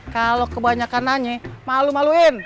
kalau kebanyakan nanya malu maluin